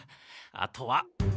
あとは。